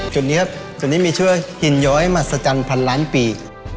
จุดนี้ครับจุดนี้มีชื่อหินย้อยมหัศจรรย์พันล้านปี